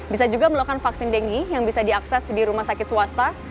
bisa juga melakukan vaksin denggi yang bisa diakses di rumah sakit swasta